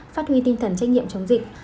phát huy tinh thần trách nhiệm chống dịch